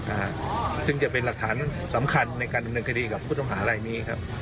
อ่าซึ่งจะเป็นหลักฐานสำคัญในการดำเนินคดีกับผู้ต้องหารายนี้ครับ